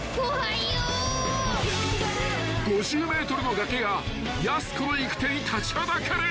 ［５０ｍの崖がやす子の行く手に立ちはだかる］